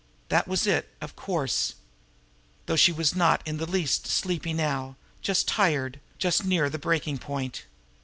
That was it, of course, though she was not in the least sleepy now just tired, just near the breaking point.